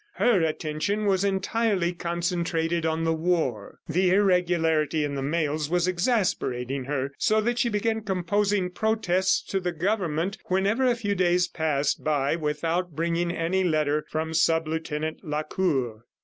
Her attention was entirely concentrated on the war. The irregularity in the mails was exasperating her so that she began composing protests to the government whenever a few days passed by without bringing any letter from sub Lieutenant Lacour.